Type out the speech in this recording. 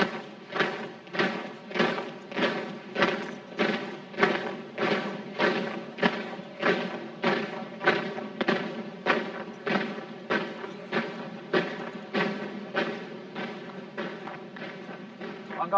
kembali ke tempat